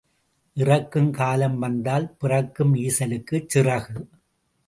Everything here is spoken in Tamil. இறக்கும் காலம் வந்தால் பிறக்கும் ஈசலுக்குச் சிறகு.